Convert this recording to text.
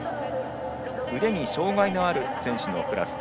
腕に障がいのある選手のクラス。